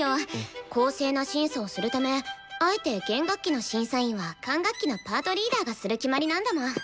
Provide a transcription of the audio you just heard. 公正な審査をするためあえて弦楽器の審査員は管楽器のパートリーダーがする決まりなんだもん。